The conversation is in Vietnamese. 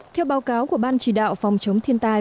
theo báo cáo của ban chỉ đạo phòng chống thiên tai